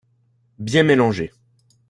Bien mélanger